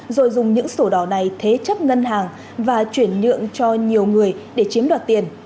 rồi dùng những sổ đỏ này thế chấp ngân hàng và chuyển nhượng cho nhiều người để chiếm đoạt tiền